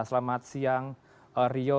selamat siang rio